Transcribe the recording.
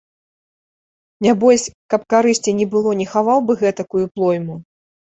Нябось, каб карысці не было, не хаваў бы гэтакую плойму.